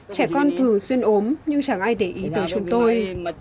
trẻ con thường xuyên ốm nhưng chẳng ai để ý tới chúng tôi